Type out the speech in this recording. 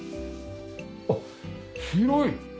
あっ広い！